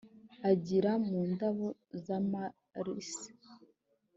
Aragira mu ndabo z’amalisi.